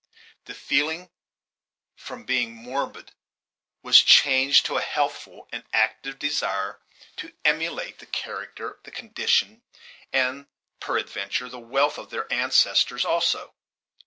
The feeling, from being morbid, was changed to a healthful and active desire to emulate the character, the condition, and, peradventure, the wealth of their ancestors also.